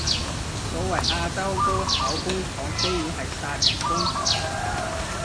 所謂亞洲高考工廠居然係殺人工廠